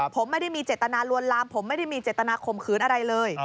ผมไม่ได้มีเจตนาลวนลามผมไม่ได้มีเจตนาข่มขืนอะไรเลย